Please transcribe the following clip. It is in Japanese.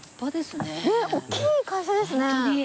ねっ大きい会社ですね。